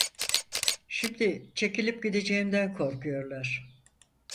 Şimdi çekilip gideceğimden korkuyorlar…